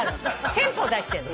テンポを出してんの。